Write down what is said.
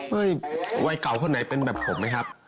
วัยเก่าคนไหนเป็นแบบผมไหมครับ